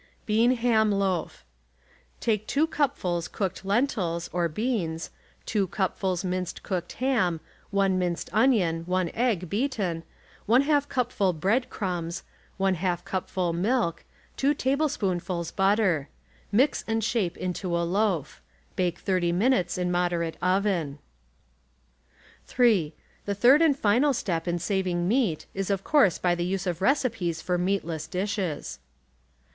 16 BEAN HAM LOAF— Take 2 cupfuls cooked lentils (or beans), 2 cupfuls minced cooked ham. 1 minced onion, 1 egg, beaten; 1/2 cupful bread crumbs, ^/^ cupful milk. 2 tablespoonfuls butter. Mix and shape into a loaf. Bake 'iO minutes in moder ate oven. (3) The third and final step in saving meat is of course by the use of recipes for meatless dishes.